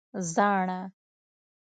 🦩زاڼه